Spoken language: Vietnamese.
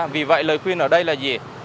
vì vậy lời khuyên ở đây là gì